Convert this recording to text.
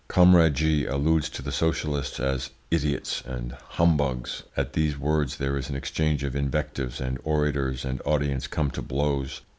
"Comrade G alludes to the socialists as `idiots' and `humbugs.' "At these words there is an exchange of invectives and orators and audience come to blows.